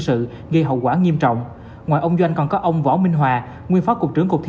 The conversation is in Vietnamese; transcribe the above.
sự gây hậu quả nghiêm trọng ngoài ông doanh còn có ông võ minh hòa nguyên phó cục trưởng cục thi